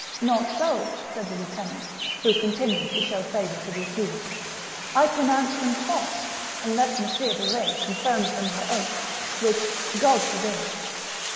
" Not so," said the lieutenant, who continued to show favour to the accused ; "I pronounce them false, unless Messire de Retz confirms them by oath, which God forbid